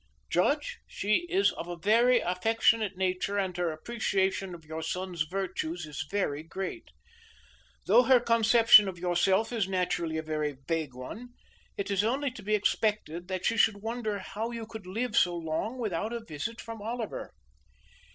"Judge, she is of a very affectionate nature and her appreciation of your son's virtues is very great. Though her conception of yourself is naturally a very vague one, it is only to be expected that she should wonder how you could live so long without a visit from Oliver."